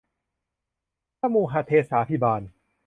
สมุหเทศาภิบาล